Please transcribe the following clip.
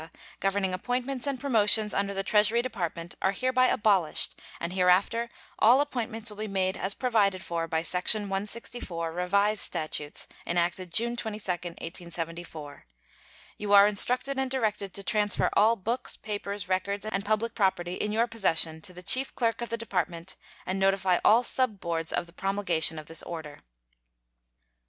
governing appointments and promotions under the Treasury Department are hereby abolished, and hereafter all appointments will be made as provided for by section 164, Revised Statutes, enacted June 22, 1874. You are instructed and directed to transfer all books, papers, records, and public property in your possession to the chief clerk of the Department, and notify all sub boards of the promulgation of this order.